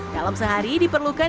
dalam sehari diperlukan